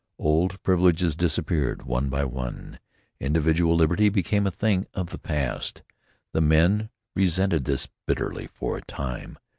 Old privileges disappeared one by one. Individual liberty became a thing of the past. The men resented this bitterly for a time.